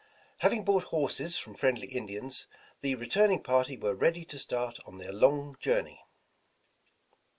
Having bought horses from friendly Indians, the returning party were ready to start on their long journey.